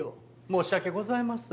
申し訳ございません。